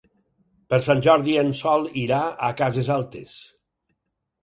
Per Sant Jordi en Sol irà a Cases Altes.